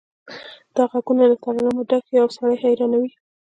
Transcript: دا غږونه له ترنمه ډک وي او سړی حیرانوي